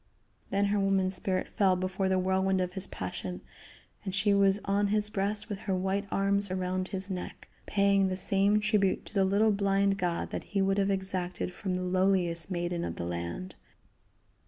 Then her woman spirit fell before the whirlwind of his passion, and she was on his breast with her white arms around his neck, paying the same tribute to the little blind god that he would have exacted from the lowliest maiden of the land.